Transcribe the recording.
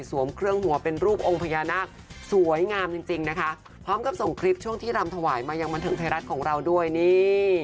เครื่องหัวเป็นรูปองค์พญานาคสวยงามจริงจริงนะคะพร้อมกับส่งคลิปช่วงที่รำถวายมายังบันเทิงไทยรัฐของเราด้วยนี่